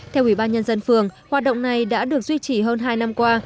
theo ubnd phường hoạt động này đã được duy trì hơn hai năm qua